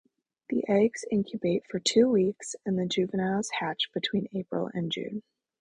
The eggs incubate for two weeks and the juveniles hatch between April and June.